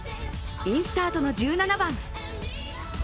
インスタートの１７番。